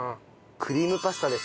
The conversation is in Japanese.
クリームパスタです